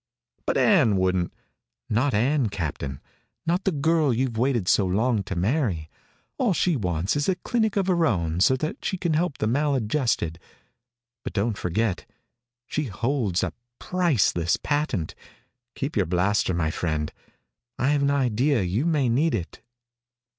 "But Ann wouldn't " "Not Ann, Captain. Not the girl you've waited so long to marry. All she wants is a clinic of her own so that she can help the maladjusted. But don't forget she holds a priceless patent. Keep your blaster, my friend. I've an idea you may need it."